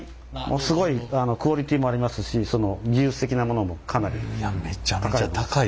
すごいクオリティーもありますしその技術的なものもかなり高い。